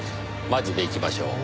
マジで行きましょう。